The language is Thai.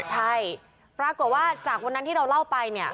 ใช่ปรากฏว่าจากวันนั้นที่เราเล่าไปเนี่ย